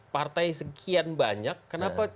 partai sekian banyak kenapa